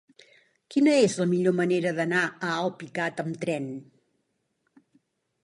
Quina és la millor manera d'anar a Alpicat amb tren?